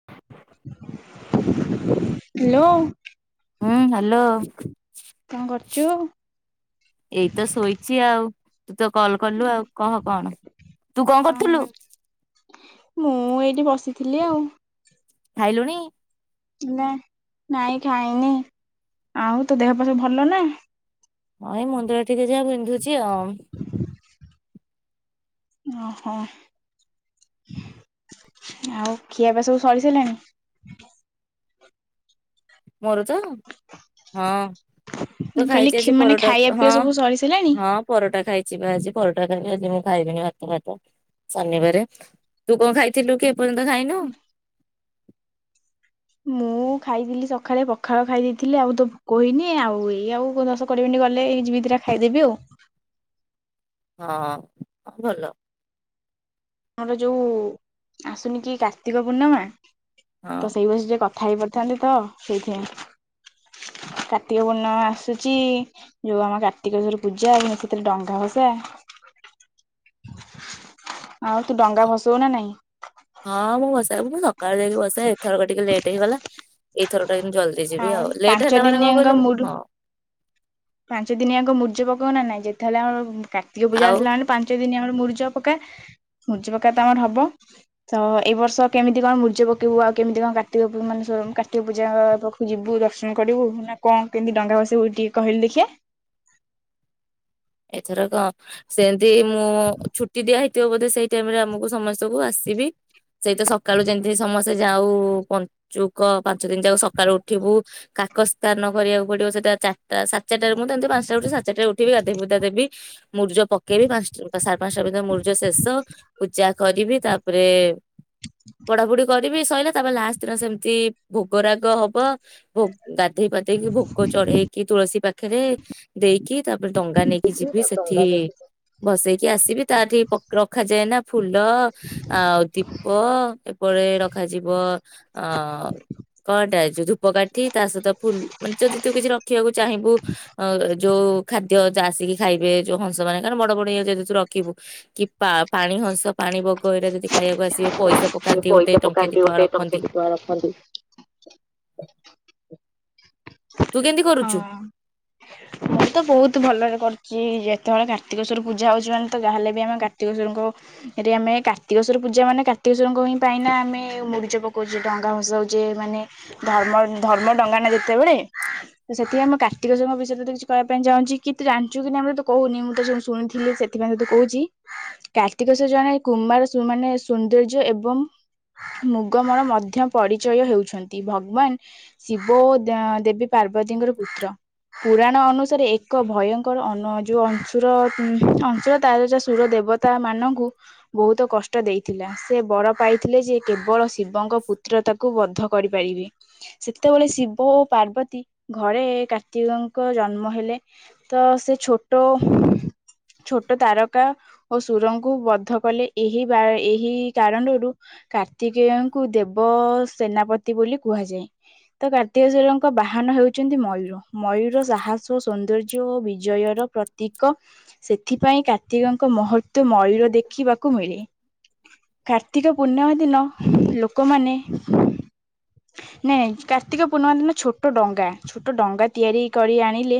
[inaudible] ହୁଁ ହ୍ୟାଲୋ କଣ କରୁଛୁ? ଏଇ ତ ଶୋଇଛି ଆଉ ତୁ ତ କଲ କଲୁ ଆଉ କହ କଣ ତୁ କଣ କରୁଥିଲୁ। ମୁଁ ଏଇଠି ବସିଥିଲି ଆଉ। ଖାଇଲୁଣି। ନା ନାଇଁ ଖାଇନି ଆଉ ତୋ ଦେହ ପାହ ସବୁ ଭଲ ନା। ହଁ ଏଇ ମୁଣ୍ଡ ଟା ଟିକେ ଯା ବିନ୍ଧୁଛି। ତି ଆଉ। ଓହୋ ଆଉ ଖିଆପିଆ ସବୁ ସରି ସାରିଲାଣି। ମୋର ତ ହଁ ତୁ ମୁଁ କହିଲି ଖାଇଛି ଖି ଆଜି ମାନେ ପରଟା ଖାଇବା ହଁ ପିଇବା ସବୁ ସରିସାରିଲାଣି? ହଁ ପରଟା ଖାଇଛି ବା ଆଜି ପରଟା ଖାଇଲି ଆଜି ମୁଁ ଖାଇବିନି ଭାତଫାତ ଶନିବାରେ ତୁ କଣ ଖାଇଥିଲୁ କି ଏ ପର୍ଯ୍ୟନ୍ତ ଖାଇନୁ। ମୁଁ ଖାଇଥିଲି ସକାଳେ ପଖାଳ ଖାଇ ଦେଇେଇଥିଲି ଆଉ ତ ଭୋକ ହେଇନି ଆଉ ଏଇ ଆଉ ଦଶ କୋଡିଏ ମିନିଟ ଗଲେ ଏଇ ଯିବି ଦିଟା ଖାଇଦେବି ଆଉ। ହଁ ଭଲ। ଆମର ଯୋଉ ଆସୁନି କି କାର୍ତ୍ତିକ ପୂର୍ଣ୍ଣମା। ହଁ ତ ସେଇ ବଷ ଯ କଥା। ଖାଇ ପାରିଥାନ୍ତି ତ ସେଇଥିାଇଁ କାର୍ତ୍ତିକ ପୂର୍ଣ୍ଣମା ଆସୁଛି ଯୋଉ ଆମ କାର୍ତ୍ତିକେସ୍ୱର ପୂଜା ଆଉ ସେଥିରେ ଡଙ୍ଗା ଭସା ଆଉ ତୁ ଡଙ୍ଗା ଭସଉ ନା ନାଇଁ। ହଁ ମୁଁ ବସି ତାକୁ ମୁଁ ସକାଳୁ ଯାଇକି ବସିବା ଏଥର ଟିକେ ଲେଟ୍ ହେଇଗଲା ଏଇଥର ଆଉ ପାଞ୍ଚ ଦିନିଆଙ୍କ ମୁ ହଁ ପାଞ୍ଚ ଦିନିଆଙ୍କ ମୁର୍ଯ୍ୟ ପ କଣ ନାଁ ଯେ ଥାଥିଲା କାର୍ତିକ ପୂଜା ଆଉ ଆସିଲ ମାନେ ପାଞ୍ଚ ଦିନ ଆମର ମୂର୍ଜ ପକା ମୂର୍ଜ ପକା ତ ଆମର ହବ ତ ଏଇ ବର୍ଷ କେମିତି କଣ ମୂର୍ଜ ପକେଇବୁ ଆଉ କେମିତି କଣ କାର୍ତ୍ତିକ ମାନେ କାର୍ତ୍ତିକ ପୂଜା ଯିବୁ ଦର୍ଶନ କରିବୁ ନା କଣ କେମିତି ଡଙ୍ଗା ବସେଇିବୁ ଟିକେ କହିଲେ ଦେଖେ। ଏଥର କଣ ସେ ଦ ମୁଁ ଛୁଟି ଦିଆ ହେଇଛି। ଦ ବୋଧେ ସେଇ ଟାଇମ ରେ ଆମକୁ ସମସ୍ତଙ୍କୁ ଆସିବି। ସେଇ ତ ସକାଳୁ ଯେମିତି ସମସ୍ତେ ଯାଉ ପଞ୍ଚୁକ ପାଞ୍ଚ ଦିନ ଯାଉ ସକାଳୁ ଉଠିବୁ କାକ ସ୍ଥାନ କରିବାକୁ ପଡିବ ସେଟା ଚାରିଟା ସାତ ଚାରଟାରେ ମୁଁମି ପାଞ୍ଚଟା ଉଠିାତଟାରେ ଉିବି ଦେବି ମୂଜ ପକେଇବି ପାଞ୍ଚଟା ସାଢେ ପାଞ୍ଚଟା ଭିତ ମୂର୍ଜ ଶେଷ ପୂଜା କରିବି ତାପରେ ପଢାପୋଢି କରିବି ସଇିଲ ତାପରେ ଲାଷ୍ଟ ଦିନ ସେମିତି ଭୋଗରାଗ ହବ ଭ ଗାଧେଇ ପାଧେଇକି ଭୋକ ଚଢେଇକି ତୁଳସୀ ପାଖ ପାଖରେ ଦେଇକି ଡଙ୍ଗା ନେଇକି ଯିବି ସେଠି ଭସେଇକି ଆସିବି ତାଠି ରଖାଯାଏ ନା ଫୁଲ ଆଉ ଦୀପ ଏପଟେ ରଖାଯିବ ଅ କଣଟା ଯୋ ପ ତା ସହିତ ଫୁଲାନେ ଯଦି ତୁ କିଛି ରଖିବାକୁ ଚାହିଁବୁ ଯୋଉ ଖାଦ ଆସିକି ଖାଇବେ ଯୋଉ ହଂସ ମାନେ କ ବଡ ବଡଇଏଦେୁ ରଖିବୁ କି ପାଣି ହଂସ ପାଣି ବଗ ଏଟା ଯଦି ଖାଇବାକୁ ଆସିବେ ପଇସା ପକାନ୍ତି ଗୋଟେ ପଇସା ଟଙ୍କା ଦି ପକାନ୍ତି ଟଙ୍କା ଗୋଟେ ଟଙ୍କେ ରଖନ୍ତି। ଦି ଟଙ୍କା ରଖନ୍ତି ତୁ କେମିତି କରୁଛୁ? ହଁ ମୁଁ ତ ବହୁତ ଭଲରେ କରି କି ଯେତେବେଳେ କାର୍ତ୍ତିକେଶ୍ୱଵର ପୂଜା ହେଉଛି ମାନେ ତ ତାାହେଲେ ବି ଆମେ କାର୍ତିକେଶ୍ୱରଙ୍କରେ ଆମେ କାର୍ତ୍ତିକ ସ୍ୱଵର ପୂଜା ମାନେ କାର୍ତିକେଶ୍ୱରଙ୍କ ହିଁ ପାଇଁ ନା ଆମେ ମୁରିଚ ପକଉଛେ ଡଙ୍ଗା ଫସାଉଛେ ମାନେ ଧର୍ମ ଧର୍ମ ଡଙ୍ଗା ନା ଯେତେବେଳେ ତ ସେଥିପାଇଁ ଆମେ କାର୍ତ୍ତିକ ସ୍ୱଵରଙ୍କ ବିୟରେତେ କିଛି କହିବା ପାଇଁ ଚାହୁଁଛି କି ତୁ ଜାଣିଛୁ କି ନା ଆମର ତ କହୁନି ମୁଁ ତ ସୁ ଶୁଣିଥିଲି ସେଥିପାଇଁ ତତୁ କହୁଛି କାର୍ତ୍ତିକ ସ୍ୱବର ଜଣେ କୁମାର ମାନେ ସୌନ୍ଦର୍ଯ୍ୟ ଏବଂ ମୁଗମ ମଧ୍ୟ ପରିଚୟ ହେଉଛନ୍ତି ଭଗବାନ ଶିବ ଓ ଦେବୀ ପାର୍ବତୀଙ୍କର ପୁତ୍ର ପୁରାଣ ଅନୁସାରେ ଏକ ଭୟଙ୍କରୁ ଯୋଉ ଅଂଶୁର ଅଂଶୁର ତା ସୁର ଦେବତା ମାନଙ୍କୁ ବହୁତ କଷ୍ଟ ଦେଇଥିଲା ସେ ବଡ ପାଇଥିଲେ ଯେ କେବଳ ଶିବଙ୍କ ପୁତ୍ର ତାକୁ ବଦ୍ଧ କରିପାରିବି ସେତେବେଳେ ଶିବ ଓ ପାର୍ବତୀ ଘରେ କାର୍ତ୍ତିକଙ୍କ ଜନ୍ମ ହେଲେ ତ ସେ ଛୋଟ ଛୋଟ ତାରକା ଓ ସୁରଙ୍କୁ ବଦ୍ଧ କଲେ। ଏହି ବା ଏହି କାରଣରୁ କ ଅତିକେଙ୍କୁ ଦେବ ସେନାପତି ବୋଲି କୁହାଯାଏ ତ କାର୍ତ୍ତିକ ସ୍ୱରଙ୍କ ବାହାନ ହେଉଛନ୍ତି ମୟୂର ମୟୂର ସାହସ ସୌନ୍ଦର୍ଯ୍ୟ ଓ ବିଜୟର ପ୍ରତୀକ ସେଥିପାଇଁ କାର୍ତ୍ତିକଙ୍କ ମହ ତ ମୟୂର ଦେଖିିବା। କ ମିଳେ କାର୍ତ୍ତିକ ପୂର୍ଣ୍ଣିମା ଦିନ ଲୋକମାନେ ନାଇଁ, ନାଇଁ କାର୍ତ୍ତିକ ପୂର୍ଣ୍ଣିମା ଦିନ ଛୋଟ ଡଙ୍ଗା, ଛୋଟ ଡଙ୍ଗା ତିଆରି କରି ଆଣିଲେ,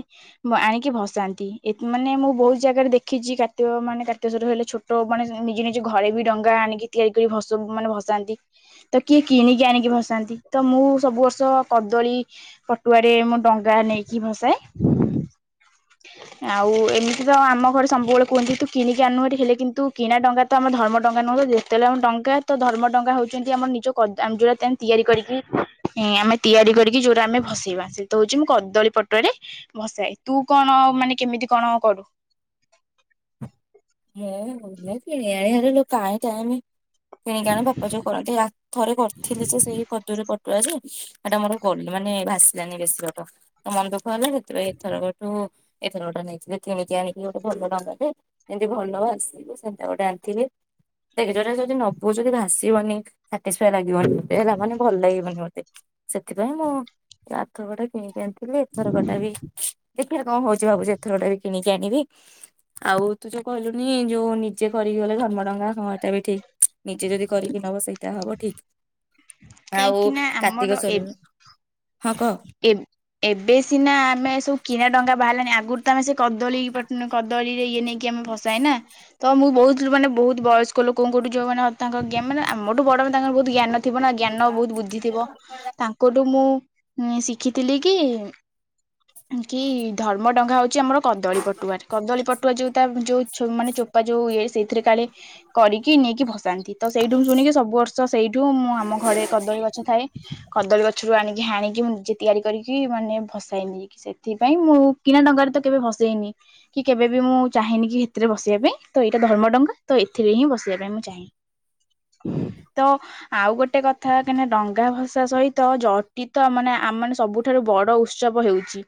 ଆଣିକି ଭସାନ୍ତି, ମାନେ ମୁଁ ବହୁତ ଜାଗାରେ ଦେଖିଛି, କାର୍ତ୍ତିକ ମାନେ କାର୍ତ୍ତିକ ସ୍ୱର ହେଲେ, ଛୋଟ ମାନେ ନିଜ ନିଜ ଘରେ ବି ଡଙ୍ଗା ଆଣିକି ତିଆରି କରି ଭସଉ, ମାନେ ଭସାନ୍ତି, ତ କିଏ କିଣିକି ଆଣିକି ଭସାନ୍ତି, ତ ମୁଁ ସବୁ ବର୍ଷ କଦଳୀ ପଟୁଆରେ ମୁଁ ଡଙ୍ଗା ନେଇକି ଭସାଏ, ଆଉ ଏମିତି ତ ଆମ ଘରେ ସବୁବେଳେ କୁହନ୍ତି, ତୁ କିଣିକି ଆନୁହାରି ହେଲେ, କିନ୍ତୁ କିଣା ଡଙ୍ଗା ତ ଆମର ଧର୍ମଡଙ୍ଗା ନୁହଁ, ଯେତେବେଳେ ଆମ ଡଙ୍ଗା ତ ଧର୍ମ ଡଙ୍ଗା ହଉଛନ୍ତି, ଆମର ନିଜ କ ଯୋଉଟା ଦେନ୍ ତିଆରି କରିକି, ଆମେ ତିଆରି କରିକି ଯୋଉରା ଆମେ ଭସେଇବା ସେଇତ ହଉଛି, ମୁ କଦଳୀ ପଟୁଆରେ ଭସାଏ, ତୁ କଣ ମାନେ କେମିତି କଣ କରୁ? ମୁଁ, କିଣି ଆଣିବି ଭାରି କାଇଁ ଟାଇମି, କିଣିକି ଆଣେ, ବାପା ଯୋଉ କରନ୍ତି, ଆ ଥରେ କରିଥିଲେ, ସେ ସେଇ କଦରୀ ପ ସେଟା ମୋର ଗ ମାନେ ଭାସିଲାନି, ବେଶୀ ବାଟ ମନ ଦୁ ଗଲା, ସେଥିପାଇଁ ଏଥର ଗଠୁ ଏଥରକ ଟା ନେଇଥିଲି, କିଣିକି ଆଣିକି ଗୋଟେ ଭଲ ଡଙ୍ଗା ଟେ ଯେମିତି ଭଲ ଭାସିବ, ସେମିତିଆ ଗୋଟେ ଆଣିଥିଲି, ଦେଖେ, ଯଦି ନବୁ ଯଦି ଭାସିବନି ସାଟିସଫାଏ ଲାଗିବନି। ହେଲା, ମାନେ ଭଲ ଲାଗିବନି ମୋତେ। ସେଥିପାଇଁ ମୁଁ, ଆର ଥରକ ଟା କିଣିିକି ଆଣିଥି ଥିଲି, ଏଥରକଟା ବି ଦେଖିଆ କଣ ହଉଚି, ଭାବୁଚି ଏଥରକ ଟା ବି କିଣିକି ଜାଣିବି, ଆଉ ତୁ ଯୋଉ କହିଲୁନି, ଯୋଉ ନିଜେ କରିକି ଗଲେ, ଧର୍ମଡଙ୍ଗା ହଁ, ଏଟା ବି ଠିକ । ନିଜେ ଯଦି କରିକି ନବା ସେଇ ତା ହବ ଠିକ । କାହିଁକି ନା, ଆମର ଏ ହଁ କହ। ଏବ ଏବେ ସିନା ଆମେ ସବୁ କିଣା ଡଙ୍ଗା ବାହାରିଲାଣି, ଆଗରୁ ତମେ ସେ, କଦଳୀ ପଟୁ କଦଳୀ ଇଏ ନେଇକି ଆମେ ଭସାଏ ନା, ତ ମୁଁ ବହୁତ ମାନେ ବହୁତ ବୟସ୍କ ଲୋକଙ୍କଠୁ ଯୋଉ ମାନେ ତାଙ୍କ ଜ୍ଞା ମାନେ ଆମରଠୁ ବଡ, ମାନେ ତାଙ୍କର ବହୁତ ଜ୍ଞାନ ଥିବ ଥିବ, ଜ୍ଞାନ ବହୁତ ବୁଦ୍ଧି ଥିବ, ତାଙ୍କଠୁ ମୁଁ ମୁଁଇ ଶିଖିଥିଲି, କି କି ଧର୍ମ ଡଙ୍ଗା ହଉଛି, ଆମର କଦଳୀ ପଟୁଆରେ, କଦଳୀ ପଟୁଆ ଯୋଉ ତା ଯୋଉ ମାନେ ଚୋପା ଯୋଉ ଇଏ, ସେ ସେଥିରେ କାଳେ କରିକି ନେଇକି ଭସାନ୍ତି, ତ ସେଇଠୁ ଶୁଣିକି ସବୁ ବର୍ଷ ସେଇଠୁ ମୁଁ, ଆମ। କଦଳୀ ଗଛ ଥାଏ, କଦଳୀ ଗ ଗଛରୁ ଆଣିକି ହାଣିକି ମୁଁ, ନିଜେ ତିଆରି କରିକି ମାନେ ଭସେଇନି, ସେଥିପାଇଁ ମୁଁ କିଣା ଡଙ୍ଗାରେ ତ କେବେ ଭସେଇନି, କି କେବେ ବି ମୁଁ ଚାହେଁନି, କି ସେଥିରେ ଭସେଇବା ପାଇଁ ତ ଏଇଟା ଧର୍ମ ଡଙ୍ଗା ତ ଏଥିରେ ହିଁ ଭସେଇବା ପାଇଁ ମୁଁ ଚାହେଁ, ତ ଆଉ ଗୋଟେ କଥା। କଥା କାହିଁକିନା ଡଙ୍ଗା ଭସା ସହିତ ଜଟିିତ ମାନେ ଆମ ମାନେ ସବୁଠାରୁ ବଡ ଉତ୍ସବ ହେଉଛି,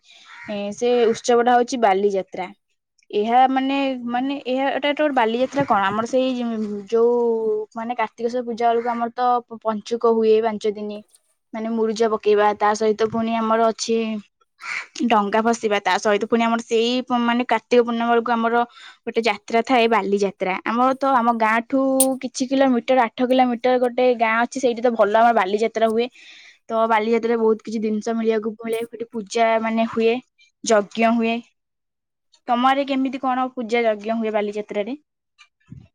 ସେ ଉତ୍ସବଟା ହଉଛି ବାଲିଯାତ୍ରା, ଏହା। ମାନେ, ମାନେ ଏହା ଏଟା ଗୋଟେ ବାଲିଯା କଣ ଆମର ସେଇ ଯୋଉ, ମାନେ କାର୍ତ୍ତିକେସୋର ପୂଜା ବେଳକୁ ଆମର ତ ପ ଞ୍ଚୁକ ହୁଏ, ପାଞ୍ଚ ଦିନି ମାନେ ମୁରୁଜ ପକେଇବା, ତା ସହିତ ପୁଣି ଆମର ଅଛି ଡଙ୍ଗା ଭସିବା, ତା ସହିତ ପୁଣି ଆମର ସେଇ ମାନେ କାର୍ତ୍ତିକ ପୂର୍ଣ୍ଣିମା ବେଳକୁ ଆମର ଗୋଟେ ଯାତ୍ରା ଥାଏ, ବାଲିଯାତ୍ରା ଆମର ତ ଆମ ଗାଁ ଠୁ କିଛି କିଲୋମିଟର ଆଠ କିଲୋମିଟର ଗୋଟେ ଗାଁ ଅ ସେଇଠି ତ ଭଲ ଆମର ବାଲିଯାତ୍ରା ହୁଏ, ତ ବାଲିଯାତ୍ରାରେ ବହୁତ କିଛି ଜିନିଷ ମିଳିବାକୁ ମିଳେ, ସେଠି ପୂଜା ମାନେ ହୁଏ, ଯଜ୍ଞ ହୁଏ, ତମଆରେ କେମିତି କଣ ପୂଜା ଯଜ୍ଞ ହୁଏ, ବାଲିଯାତ୍ରାରେ।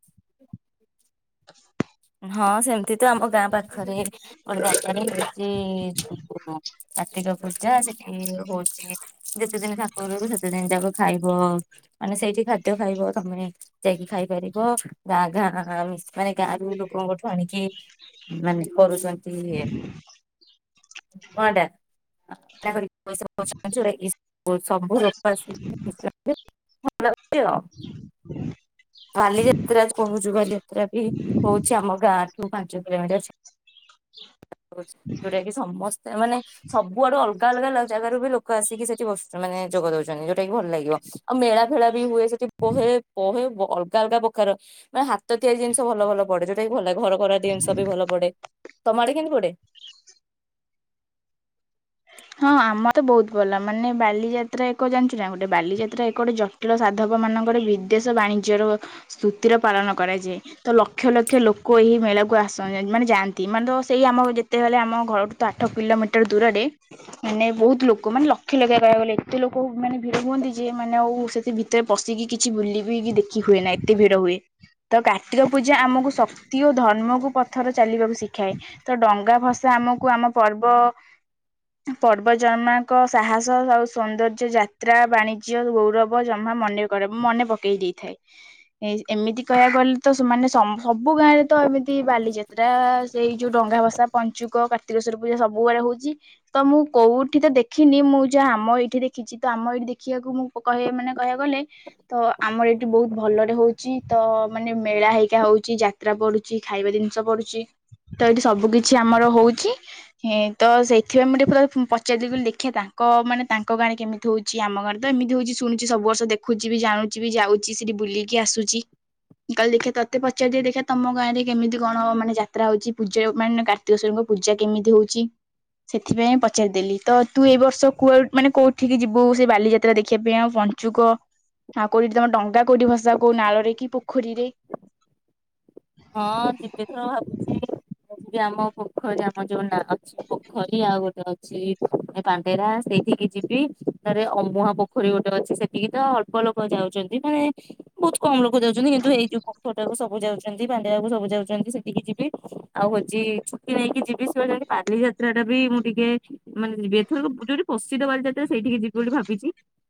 [inaudible] ହ [inaudible] ହଁ, ସେମତି ତ ଆମ ଗାଁ ପାଖରେ ର ବ [inaudible] କାର୍ତ୍ତିକ ପୂଜା ସେଠି ହଉଛି ଯେତେ ଦିନ ଠାକୁୁର ସେତେ ଦିନ ଯାକ ଖାଇବ ମାନେ ସେଇଠି ଖାଦ୍ୟ ଖାଇବ ତମେ ଯାଇକି ଖାଇପାରିବ ଗାଁ ଗାଁ ମାନେ ଗାଁରୁ ଲୋ ଲୋକଙ୍କଠୁ ଆଣିକି ମାନେ କରୁଛନ୍ତି। [inaudible] ମାଟା [unintelligible] ପଇସା। [unintelligible] [unintelligible] ସବୁ ରୋକ ଆସିକ [unintelligible] ହେଲୋ। [unintelligible] ବାଲିଯାତ୍ରା କହୁଛୁ ବାଲିଯାତ୍ରା ବି ହଉଛି ଆମ ଗାଁଠୁ। ଶ ପାଞ୍ଚ [unintelligible] ଯୋଉଟା କି ସମସ୍ତେ ମାନେ ସବୁ ଆଡୁ ଅଲ ଅଲ ଅଲଗାଲଗ ଜାଗ ର ବି ଲୋକ ଆସିକି ସେଠି ମାନେ ଯୋଗ ଦଉଛନ୍ତି ଯଉଟା କି ଭଲ ଲାଗିବ ଆଉ ମେଳା ଫେଳା ବି ହୁଏ। ସେଠି ବହେ ପହେ। ଅଲଗା ଅଲଗା ପ୍ରକାର ମାନ ହାତ ତିରି ଜିନିଷ ଭଲ ଭଲ ପଡେ ଯଉଟାକି ଭଲ ଲାଗେ। ଘର କର ଜିନିଷ ବି ଭଲ ପଡେ ତମ ଆଡେ କେମତି ପଡେ। ହଁ ଆମର ତ ବହୁତ ଭଲ ମାନେ ବାଲିଯାତ୍ରା ଏକ ଜାଣିଛୁ ନା ଗୋଟେ ବାଲିଯାତ୍ରା ଏକ ଗୋଟେ ଜଟିଳ ସାଧକ ମାନଙ୍କର ବିଦେଶ ବାଣିଜ୍ୟର ସ୍ତୁତିର ପାଳନ କରାଯାଏ ତ ଲକ୍ଷ ଲକ୍ଷ ଲୋକ ଏହି ମେଳାକୁ ଆସ ମାନେ ଯାଆନ୍ତି ମାନେ ତ ସେଇ ଆମ ଯେତେବେଳେ ଆମ ଘରଠୁ ତ ଆଠ କିଲୋମିଟର ଦୂରରେ ମାନେ ବହୁତ ଲୋକ ମାନେ ଲକ୍ଷ ଲକ୍ଷ କହିବାକୁ ଗଲେ ଏତେ ଲୋକ ମାନେ ଭିଡ ହୁଅନ୍ତି ଯେ ମାନେ ଆଉ ସେଠି ଭିତରେ ପଶିକି କିଛି ବୁଲି ଦେଖି ହୁଏ ନା ଏତେ ଭିଡ ହୁଏ। ତ କାର୍ତ୍ତିକ ପୂଜା ଆମକୁ ଶକ୍ତି ଓ ଧର୍ମକୁ ପଥର ଚାଲିବାକୁ ଶିଖାଏ। ତ ଡଙ୍ଗା ଫସା ଆମକୁ ଆମ ପର୍ବ। ପର୍ବ ଜନ୍ମାଙ୍କ ସାହସ ଆଉ ସୌନ୍ଦର୍ଯ୍ୟ ଯାତ୍ରା ବାଣିଜ୍ୟ ଗୌରବ ଜମା ମନେ ମନେ ପକେଇ ଦେଇଥାଏ ଏମିତି କହିବାକୁ ଗଲେ ତ ସେମାନେ ସବୁ ଗାଁରେ ତ ଏମିତି ବାଲିଯାତ୍ରା ସେଇ ଯୋଉ ଡଙ୍ଗା ଭସା ପଞ୍ଚୁକ କାର୍ତ୍ତିକେଶ୍ୱଵର ପୂଜା ସବୁ ଗୁଡେ ହଉଛି ତ ମୁଁ କୋଉଠି ତ ଦେଖିନି ମୁଁ ଯାହା ଆମ ଏଇଠି ଦେଖିଛି ତ ଆମ ଏଇଠି ଦେଖିବାକୁ ମୁଁହ ମାନେ କହିବାକୁ ଗଲେ ତ ଆମର ଏଇଠି ବହୁତ ଭଲରେ ହଉଛି ତ ମାନେ ମେଳା ହେଇକା ହଉଛି ଯାତ୍ରା ପଡୁଛି ଖାଇବା ଜିନିଷ ପଡୁଛି ତ ଏଇଠି ସବୁ କିଛି ଆମର ହଉଛି ତ ସେ ସେଥିପାଇଁ ଟିକେ ପୁର ପଚାରିଦେି କହ ଦେଖିବା ତାଙ୍କ ମାନେ ତାଙ୍କ ଗାଁରେ କେମିତି ହଉଛି ଆମ ଗାଁରେ ତ ଏମିତି ହଉଛି ଶୁଣୁଛି ସବୁ ବର୍ଷ ଦେଖୁଛି ବି ଜାୁଛି ବି ଯାଉଛି ସେଠି ବୁଲିକି ଆସୁଛି କାେ ଦେଖିବା ତୋତେ ପଚାରିଦି ଦେଖିବା ତମ ଗାଁରେ କେମିତି କଣ ମାନେ ଯାତ୍ରାଉଛି ପୂଜା ମାନେ କାର୍ତ୍ତିକ ସ୍ୱରୀଙ୍କ ପୂଜା କେମିତି ହେଉଛି। ସେଥିପାଇଁ ପଚାରିଦେଲି ତୁ ଏଇ ବର୍ଷ କୁ ମାନେ କୋଉଠିିକି ଯିବୁ ସେଇ ବାଲିଯାତ୍ରା ଦେଖିବା ପାଇଁ ଆଉ ବଞ୍ଚୁକ ଆଉ କୋଉଠି ତମର ଡଙ୍ଗା କୋଉଠି ଭସା କୋଉ ନାଳରେ କି ପୋଖରୀରେ। ହଁ ଯିବି ତ ଭାବୁଛି। ଯିବି ଆମ ପୋଖରୀ ଆମର ଯୋଉ ନାଁ ଅଛି ପୋଖରୀ ଆଉ ଗୋଟେ ଅଛି ପାଣ୍ଡେରା ସେଇଠିକି ଯିବି ତାରେ ଅମୁହା ପୋଖରୀ ଗୋଟେ ଅଛି ସେଠିକି ତ ଅଳ୍ପ ଲୋକ ଯାଉଛନ୍ତି ମାନେ ବହୁତ କମ ଲୋକ। ଯାଉଛନ୍ତି କିନ୍ତୁ ଏଇଯଉଟାକୁ ବୁ ଯାଉଛି। କୁ ସବୁ ଯାଉଛନ୍ତି ସେଠିକି ଯିବି ଆଉ ହଉଛି ଛୁଟି ନେଇକି ଯିବି ସେ ବାଲିଯାତ୍ରା ଟା ବି ମୁଁ ଟିକେ ମାନେ ଯିବି ଏଥର ଯୋଉଠି ପ୍ରସିଦ୍ଧ ବାଲିଯାତ୍ରା ସେଇଠିକି ଯିବି ବୋଲି ଭାବିଛି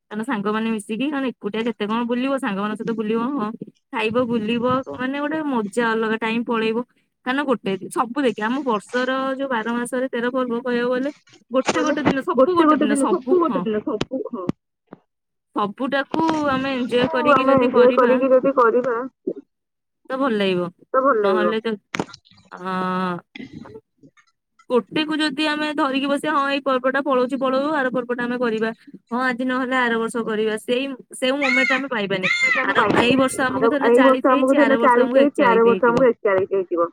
କାରଣ ସାଙ୍ଗମାନୋନ ମିଶିକି କାର ଏକୁଟିଆ କେତେ କଣ ବୁଲିବ ସାଙ୍ଗ ମଙ୍କ ସହିତ ବୁଲିବ ହଁ। ଖାଇବ ବୁଲିବ ମାନେ ଗୋଟେ। ମଜା ଅଲଗା ଟାଇ ପଳେଇ କାଁକ ନା ଗୋଟେ। ସବୁ ଦେଖେ ଆମ ବର୍ଷର ଯୋଉ ବାର ମାସ ତେର ପର୍ବ କହିବା ଗଲେ ଗୋଟେ ମାନେ ଗୋଟେ ଦିନ ସବୁ ଗୋଟେ ଦିନ ସବୁ ଗୋଟେ ହଁ ଦିନ ସବୁ ହଁ। ସବୁଟାକୁ ଆମେ ଏଞଜୟ କୁ କରିକି ଆମେ ଯଦି ଏଞ୍ଜୟ କରିବା। କରିକି ଯଦି କରିବା ତ ଭଲ ଲାଗିବ ତ ଭଲ ଲାଗିବ ନହେଲେ ତ ଅ ଗୋଟେ କୁ ଯଦି ଆମେ ଧରିକି ବସିବା ହଁ ଏଇ ପର୍ବଟା ପଳଉଚି ପଳଉ ଆର ପର୍ବଟା ଆମେ କରିବା ହଁ ଆଜି ନହେଲେ ଆର ବର୍ଷ କରିବା ସେଇ-ସେଇ ମୁମେଣ୍ଟ ଆମେ ପାଇବାନି ବଟ୍ ଆମେ ଆର ଏଇ ବର୍ଷ ଆମକୁ ଧରିନିଅ ଚାଳିଶ ହେଇଛି ଆର ବର୍ଷ ଳିଶି ଆମକୁ ହେଇ ଆର ଏକଚାଳିଶ ବର୍ଷ ହେଇଯିବ। ଆମକୁ ଏକଚାଳିଶି ହେଇଯିବ।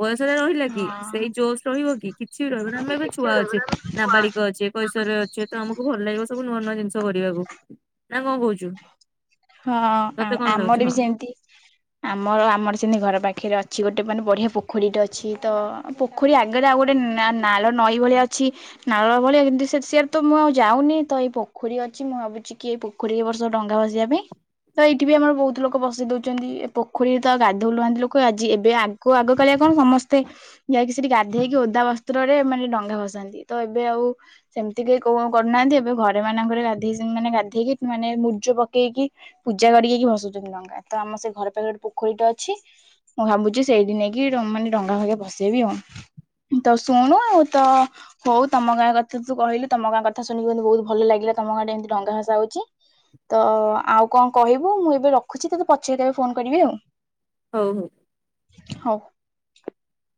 ବୟସଟା ରହିଲା କି ସେଇ ହଁ। ଜୋସ୍ ରହିବ କି‌ କିଛି ବି ରହିବ ନା ଆମେ ଏବେ ଛୁଆ ଅଛେ ନାବାଳିକ ଅଛେ କୈଶୋରରେ ଅଛେ ତ ଆମକୁ ଭଲ ଲାଗିବ ସବୁ ନୂଆ ନୂଆ ଜିନିଷ। ଚାଷ କରିବାକୁ। ନା କଣ କହୁଛୁ? ହଁ ତତେ କଣ ଲାଗୁଛି ଆ-ଆମର ହଁ ବି ସେମିତି। ଆମର ଆମର ସେମିତି ଘର ପାଖରେ ଅଛି ଗୋଟେ ମାନେ ବଢିଆ ପୋଖରୀଟେ ଅଛି ତ ପୋଖରୀ ଆଗରେ ଆଉ ଗୋଟେ ନାଳ ନଈ ଭଳିଆ ଅଛି ନାଳ ଭଳିଆ କିନ୍ତୁ ସେ ସେଆରେ ତ ମୁଁ ଆଉ ଯାଉନି ତ ଏଇ ପୋଖରୀ ଅଛି ମୁଁ ଭାବୁଛି କି ଏଇ ପୋଖରୀରେ ବ ର୍ଷ‌‌ ଡଙ୍ଗା ଭସିବା ପାଇଁ ତ ଏଇଠି ବି ଆମର ବହୁତ ଲୋକ ଭସେଇ ଦଉଛନ୍ତି ଏ ପୋଖରୀରେ ତ ଗାଧଉ ନୁହାନ୍ତି ଲୋକ ଆଜି ଏବେ ଆଗ ଆଗ କାଳିଆ କଣ ସମସ୍ତେ ଯାଇକି ସେଠି ଗାଧେଇକି ଓଦା ବସ୍ତ୍ରରେ ମାନେ ଡଙ୍ଗା ଭସାନ୍ତି ତ ଏବେ ଆଉ ସେମିତି କି କଣ କରୁନାହାନ୍ତି ଏବେ ଘରେ ମାନଙ୍କରେ ଗାଧେଇ ମାନେ ଗାଧେଇକି ମାନେ ମୁଜ ପକେଇକି ପୂଜା କରିକି ଭସୋଉଛନ୍ତି ଡଙ୍ଗା ତ ଆମ ସେ ଘର ପାଖରେ ଗୋଟେ ପୋଖରୀଟେ ଅଛି ମୁଁ ଭାବୁଛି ସେଇଠି ନେଇକି ମାନେ ଡଙ୍ଗା ଭଙ୍ଗା ବସେଇବି ଆଉ ତ ଶୁଣୁ ଆଉ ତ ହଉ ତମ ଗାଁ କଥା ତୁ କହିଲୁ ତମ ଗାଁ କଥା ଶୁଣିକି ବହୁତ ଭଲ ଲାଗିଲା ତମ ଗାଁ ଟେ ଏମିତି ଡଙ୍ଗା ଭସା ହଉଛି। ତ ଆଉ କଣ କହିବୁ ମୁଁ ଏବେ ରଖୁଛି ତୋତେ ପଛରେ କେବେ ଫୋନ କରିବି ଆଉ। ହଉ ହଉ। ହଉ। [inaudible]